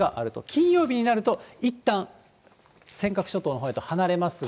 金曜日になると、いったん尖閣諸島のほうへと離れますが。